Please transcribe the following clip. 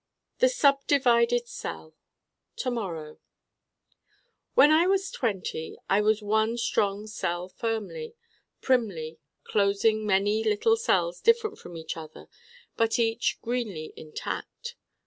The subdivided cell To morrow When I was twenty I was one strong Cell firmly, primly closing many little cells different from each other but each greenly intact.